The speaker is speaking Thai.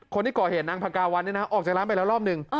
คนที่เกาะเห็นนางพาการวรรณเนี่ยนะออกจากร้านไปแล้วรอบนึง